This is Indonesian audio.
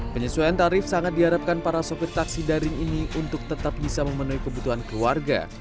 penyesuaian tarif sangat diharapkan para sopir taksi daring ini untuk tetap bisa memenuhi kebutuhan keluarga